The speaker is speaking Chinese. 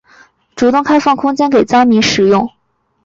主动开放空间给灾民使用